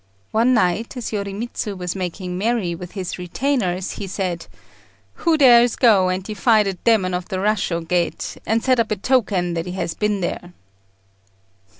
One night, as Yorimitsu was making merry with his retainers, he said, "Who dares go and defy the demon of the Rashô gate, and set up a token that he has been there?"